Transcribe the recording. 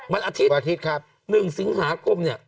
วันอาทิตย์๑สิงหากรมเนี่ย